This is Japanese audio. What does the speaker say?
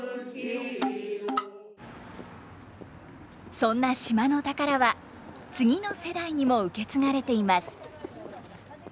そんな島の宝は次の世代にも受け継がれています。